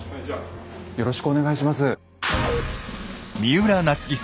よろしくお願いします。